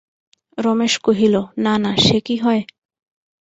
রমেশ কহিল, না না, সে কি হয়!